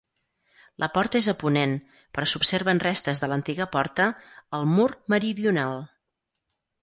La porta és a ponent, però s'observen restes de l'antiga porta al mur meridional.